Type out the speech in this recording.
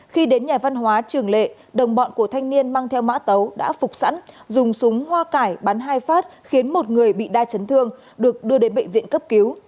khi đến nhà văn hóa trường lệ đồng bọn của thanh niên mang theo mã tấu đã phục sẵn dùng súng hoa cải bắn hai phát khiến một người bị đa chấn thương được đưa đến bệnh viện cấp cứu